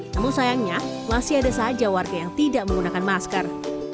namun sayangnya masih ada saja warga yang tidak menggunakan masker